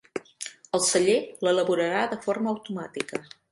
El celler l'elaborarà de forma automàtica.